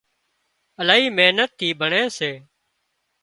الاهي محنت ٿِي ڀڻي سي